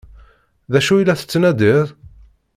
D acu i la tettnadiḍ?